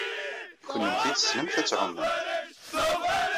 Kennemti tessnemt ad tɛumemt.